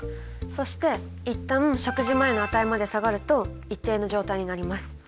そして一旦食事前の値まで下がると一定の状態になります。